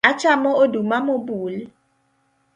Achamo oduma mobul?